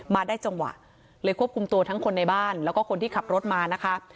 มาได้จังหวะเลยควบคุมตัวทั้งคนในบ้านแล้วก็คนที่ขับรถมานะคะ